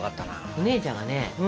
お姉ちゃんがね